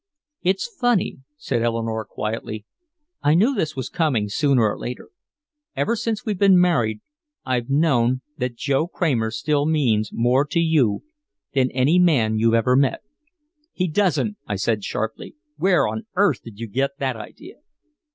"It's funny," said Eleanore quietly. "I knew this was coming sooner or later. Ever since we've been married I've known that Joe Kramer still means more to you than any man you've ever met." "He doesn't," I said sharply. "Where on earth did you get that idea?"